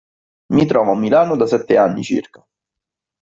Mi trovo a Milano da sette anni circa.